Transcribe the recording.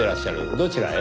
どちらへ？